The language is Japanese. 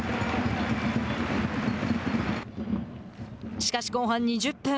しかし後半２０分。